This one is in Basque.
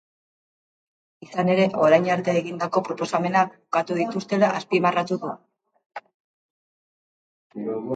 Izan ere, orain arte egindako proposamenak ukatu dituztela azpimarratu du.